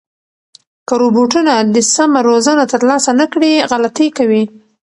که روبوټونه د سمه روزنه ترلاسه نه کړي، غلطۍ کوي.